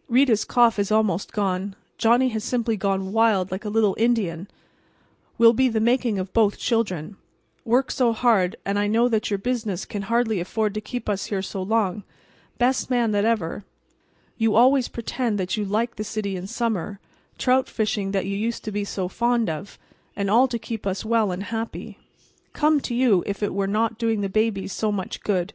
… Rita's cough is almost gone. … Johnny has simply gone wild like a little Indian … Will be the making of both children … work so hard, and I know that your business can hardly afford to keep us here so long … best man that ever … you always pretend that you like the city in summer … trout fishing that you used to be so fond of … and all to keep us well and happy … come to you if it were not doing the babies so much good.